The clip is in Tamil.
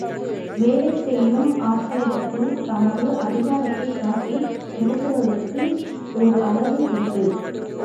வேலை செய்யும் ஆட்களிடத்தில் தமது அதிகாரத்தைக் காட்டி மிரட்டுவதற்கும் ஒரு அளவு உண்டு.